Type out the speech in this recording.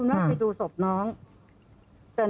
หม่ามี่ข้าม